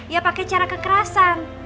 ya pakai cara kekerasan